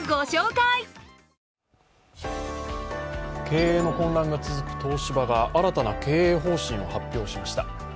経営の混乱が続く東芝が新たな経営方針を発表しました。